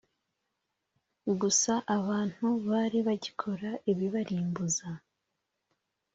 Gusa abantu bari bagikora ibibarimbuza